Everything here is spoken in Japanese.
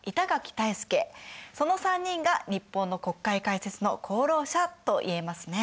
その３人が日本の国会開設の功労者と言えますね。